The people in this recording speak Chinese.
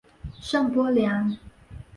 圣波良。